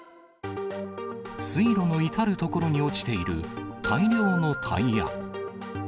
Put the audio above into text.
水路の至る所に落ちている大量のタイヤ。